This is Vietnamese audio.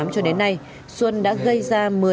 cho đến nay xuân đã gây ra